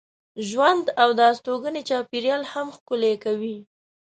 ژوند او د استوګنې چاپېریال هم ښکلی کوي.